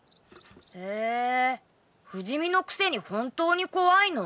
へぇ不死身のくせに本当に怖いの？